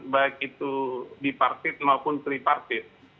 baik itu di partit maupun tripartit